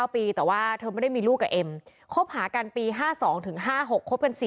๙ปีแต่ว่าเธอไม่ได้มีลูกกับเอ็มคบหากันปี๕๒๕๖คบกัน๔